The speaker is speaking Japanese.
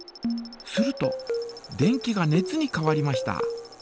すると電気が熱に変わりました。